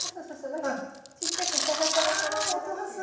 なんかちっちゃくシャラシャラシャラシャラっていう音が。